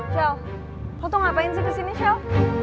shell lo tuh ngapain sih di sini shell